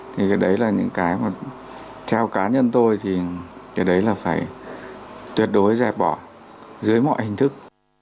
thì cái đấy là những cái mà theo cá nhân tôi thì cái đấy là phải tuyệt đối dẹp bỏ dưới mọi hình thức